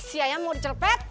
siaya mau dicelepet